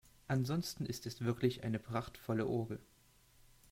Ansonsten ist es wirklich eine prachtvolle Orgel.